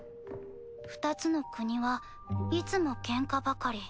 ２つの国はいつもケンカばかり。